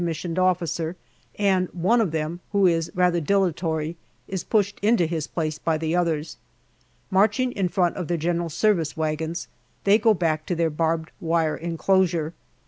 O., and one of them who is rather dilatory is pushed into his place by the others. Marching in front of their G.S. wagons, they go back to their barbed wire enclosure.